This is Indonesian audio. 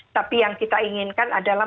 tapi yang kita inginkan adalah